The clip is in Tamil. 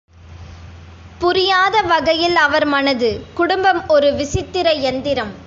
புரியாத வகையில் அவர் மனது குடும்பம் ஒரு விசித்திர யந்திரம்.